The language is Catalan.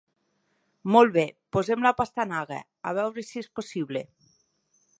Molt bé, posem la pastanaga, a veure si és possible.